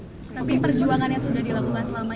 tapi perjuangan yang sudah dilakukan selama